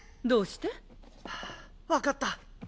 どうして？はあ分かった。